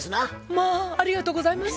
まあありがとうございます。